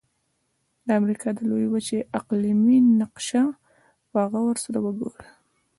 د امریکا د لویې وچې اقلیمي نقشه په غور سره وګورئ.